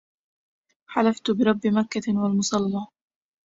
حلفت برب مكة والمصلى